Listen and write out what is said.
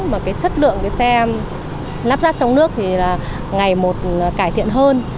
mà cái chất lượng cái xe lắp ráp trong nước thì là ngày một cải thiện hơn